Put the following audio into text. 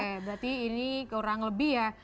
oke berarti ini kurang lebih ya